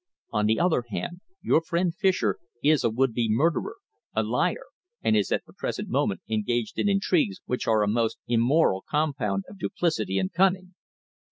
On the other hand, your friend Fischer is a would be murderer, a liar, and is at the present moment engaged in intrigues which are a most immoral compound of duplicity and cunning."